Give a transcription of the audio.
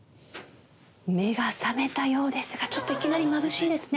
「目が覚めたようですがいきなりまぶしいですね」